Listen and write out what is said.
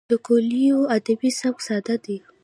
د کویلیو ادبي سبک ساده دی.